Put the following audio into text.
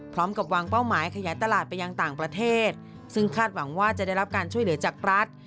พร้อมกับวางเป้าหมายขยายตลาดไปยังต่างประเทศซึ่งคาดหวังว่าจะได้รับการช่วยเหลือจากรัฐ